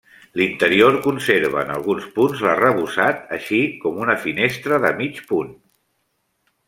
L'interior conserva en alguns punts l'arrebossat així com una finestra de mig punt.